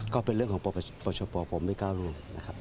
ก็เป็นเรื่องของปอปรชโปน์